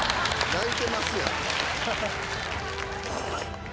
泣いてますやん。